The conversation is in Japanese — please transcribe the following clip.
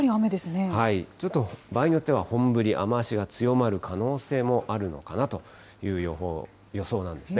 ちょっと、場合によっては本降り、雨足が強まる可能性もあるのかなという予想なんですね。